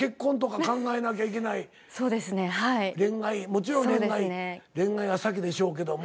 もちろん恋愛が先でしょうけども。